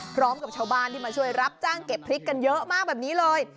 พร้อมกับชาวบ้านที่มาช่วยรับจ้างเก็บพริกกันเยอะมากแบบนี้เลย